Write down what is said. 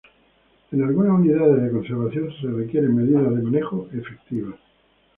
En algunas unidades de conservación se requieren medidas de manejo efectivas.